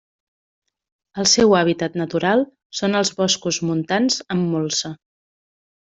El seu hàbitat natural són els boscos montans amb molsa.